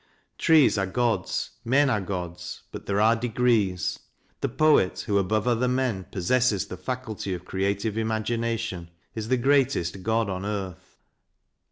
Trees are gods, men are gods but there are degrees. The Poet, who above other men possesses the faculty of creative imagination, is the greatest god on earth.